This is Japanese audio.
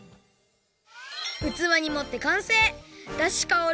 うつわにもってかんせい！